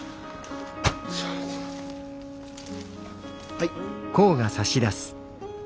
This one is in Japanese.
はい。